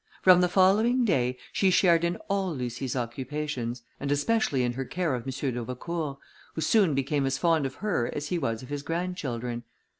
From the following day, she shared in all Lucie's occupations, and especially in her care of M. d'Aubecourt, who soon became as fond of her as he was of his grandchildren.